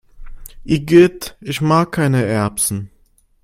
Igitt, ich mag keine Erbsen!